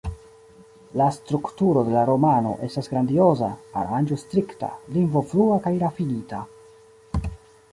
La strukturo de la romano estas grandioza, aranĝo strikta, lingvo flua kaj rafinita.